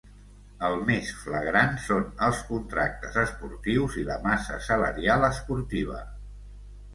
El més flagrant són els contractes esportius i la massa salarial esportiva.